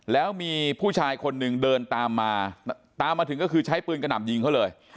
แล้วมีผู้ชายคนหนึ่งเดินตามมาตามมาถึงก็คือใช้ปืนกระหน่ำยิงเขาเลย